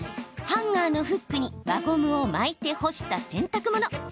ハンガーのフックに輪ゴムを巻いて干した洗濯物。